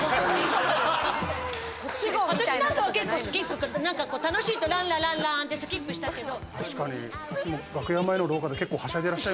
私なんかは結構、スキップ楽しいとランラランランってスキップしたけど。